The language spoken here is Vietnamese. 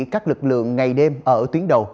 các lực lượng ngày đêm ở tuyến đầu